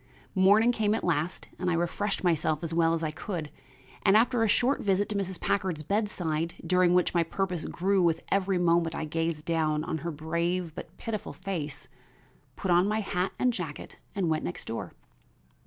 Morning came at last, and I refreshed myself as well as I could, and, after a short visit to Mrs. Packard's bedside during which my purpose grew with every moment I gazed down on her brave but pitiful face, put on my hat and jacket and went next door.